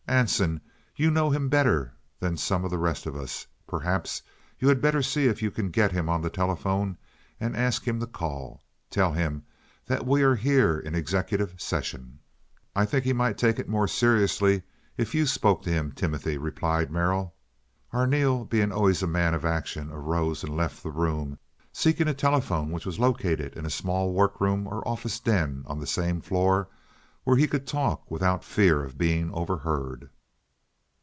"Anson, you know him better than some of the rest of us. Perhaps you had better see if you can get him on the telephone and ask him to call. Tell him that we are here in executive session." "I think he might take it more seriously if you spoke to him, Timothy," replied Merrill. Arneel, being always a man of action, arose and left the room, seeking a telephone which was located in a small workroom or office den on the same floor, where he could talk without fear of being overheard.